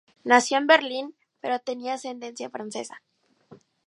Nació en Berlín, pero tenía ascendencia francesa.